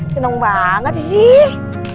seneng banget sih